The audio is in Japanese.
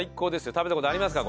食べた事ありますか？